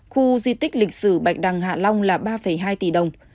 khu di tích lịch sử bạch đằng hạ long là ba hai tỷ đồng